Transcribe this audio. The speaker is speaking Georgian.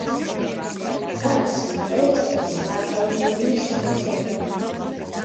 გარს ერტყმის აპენინის მთები.